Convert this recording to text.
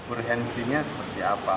urgensinya seperti apa